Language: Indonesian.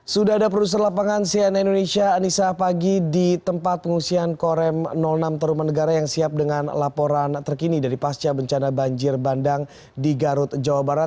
sudah ada produser lapangan cnn indonesia anissa pagi di tempat pengungsian korem enam teruman negara yang siap dengan laporan terkini dari pasca bencana banjir bandang di garut jawa barat